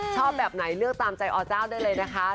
ชอบแบบไหนเลือกตามใจอเจ้าได้เลยนะคะ